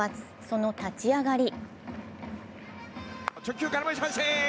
その立ち上がり。